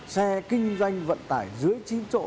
xe kinh doanh vận tải dưới chín chỗ